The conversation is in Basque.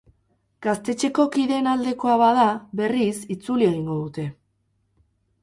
Gaztetxeko kideen aldekoa bada, berriz, itzuli egingo dute.